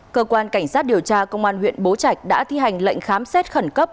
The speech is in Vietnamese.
cơ quan cảnh sát điều tra công an huyện bố trạch đã thi hành lệnh khám xét khẩn cấp